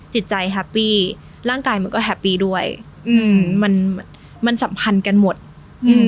จิตใจแฮปปี้ร่างกายมันก็แฮปปี้ด้วยอืมมันมันสัมพันธ์กันหมดอืม